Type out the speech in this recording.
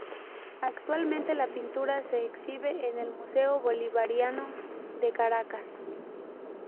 Actualmente la pintura se exhibe en el Museo Bolivariano de Caracas